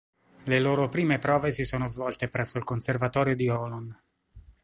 Le loro prime prove si sono svolte presso il conservatorio di Holon.